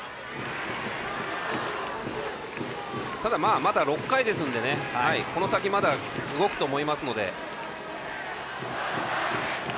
ただ、まだ６回ですのでこの先、まだ動くと思いますので。